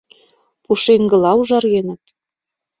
Пушеҥгыла ужаргеныт.